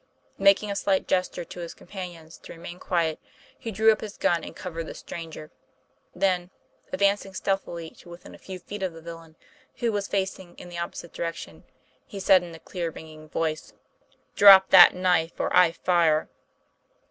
Making a slight gesture to his companions to remain quiet, he drew up his gun and covered the stranger. Then, advancing stealthily to within a few feet of the villain, who was facing in the opposite direction, he said in a clear, ringing voice: " Drop that knife, or I fire!"